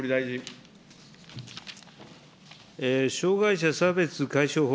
障害者差別解消法